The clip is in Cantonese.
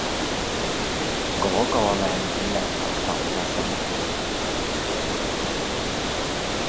嗰個靚女靚到揼一聲